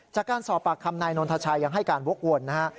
จากการสอบปากคำนายนนทชัยยังให้การวกวนนะฮะ